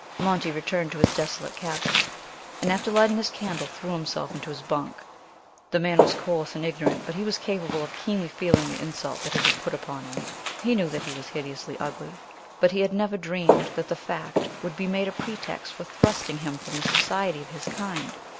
Monty returned to his desolate cabin, and after lighting his candle threw himself into his bunk. The man was coarse and ignorant, but he was capable of keenly feeling the insult that had been put upon him. He knew that he was hideously ugly, but he had never dreamed that the fact would be made a pretext for thrusting him from the society of his kind.